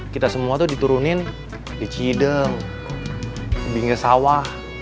kita semua tuh diturunin di cideng di bingkai sawah